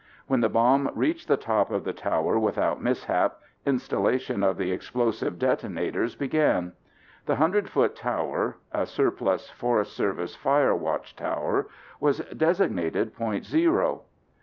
When the bomb reached the top of the tower without mishap, installation of the explosive detonators began. The 100 foot tower (a surplus Forest Service fire watch tower) was designated Point Zero.